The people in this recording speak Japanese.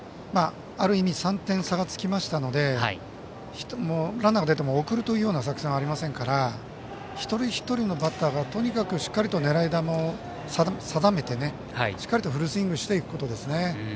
ある意味３点差がつきましたのでランナーが出ても送るという作戦はありませんから一人一人のバッターがとにかくしっかりと狙い球を定めてフルスイングしていくことです。